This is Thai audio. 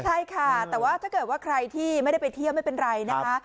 ใช่ค่ะแต่ว่าถ้าเกิดว่าใครที่ไม่ได้ไปเที่ยวไม่เป็นไรนะคะ